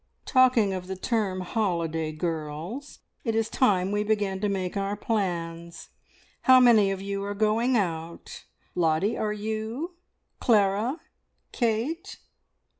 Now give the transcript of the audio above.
Talking of the term holiday, girls, it is time we began to make our plans. How many of you are going out? Lottie, are you? Clara? Kate?